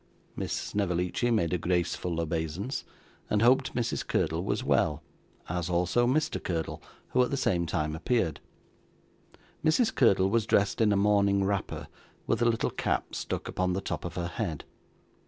Miss Snevellicci made a graceful obeisance, and hoped Mrs. Curdle was well, as also Mr. Curdle, who at the same time appeared. Mrs. Curdle was dressed in a morning wrapper, with a little cap stuck upon the top of her head.